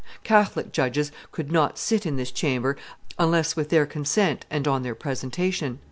Catholic judges could not sit in this chamber unless with their consent and on their presentation.